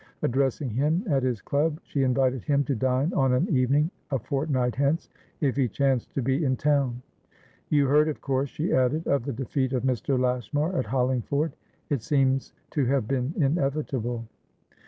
Addressing him at his club, she invited him to dine on an evening a fortnight hence, if he chanced to be in town. "You heard, of course," she added, "of the defeat of Mr. Lashmar at Hollingford. It seems to have been inevitable."